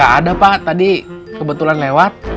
ya ada pak tadi kebetulan lewat